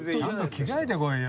着替えてこいよ。